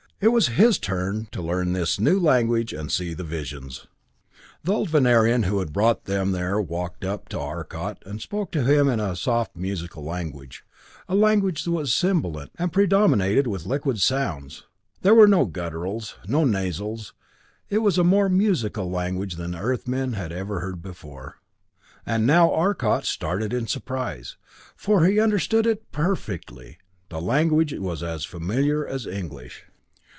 It was his turn to learn this new language and see the visions. The old Venerian who had brought them there walked up to Arcot and spoke to him in a softly musical language, a language that was sibilant and predominated in liquid sounds; there were no gutturals, no nasals; it was a more musical language than Earth men had ever before heard, and now Arcot started in surprise, for he understood it perfectly; the language was as familiar as English.